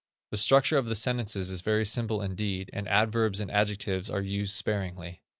The structure of the sentences is very simple indeed, and adverbs and adjectives are used sparingly.